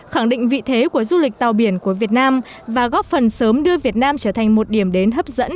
khẳng định vị thế của du lịch tàu biển của việt nam và góp phần sớm đưa việt nam trở thành một điểm đến hấp dẫn